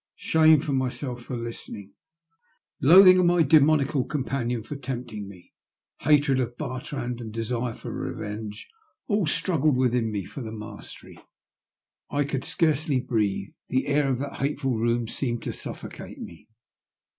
Shame for myself for listening, loathing of my de moniacal companion for tempting me, hatred of Bartrand, and desire for revenge, all struggled within me for the mastery. I could scarcely breathe ; the air of that hateful room seemed to suffocate me.